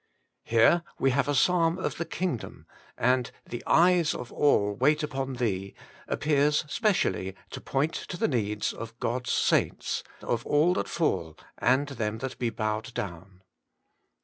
Here we have a Psalm of the Kingdom, and * The eyes of all wait upon Thee ' appears specially to point to the needs of God's saints, of all that fall and them that be bowed down.